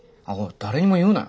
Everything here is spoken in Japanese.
誰にも言うなよ。